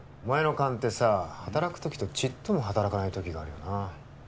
お前の勘ってさ働くときとちっとも働かないときがあるよな